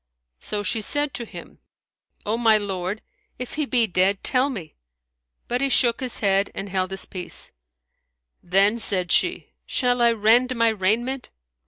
So she said to him, "O my lord, if he be dead, tell me;" but he shook his head and held his peace. Then said she, "Shall I rend my raiment?"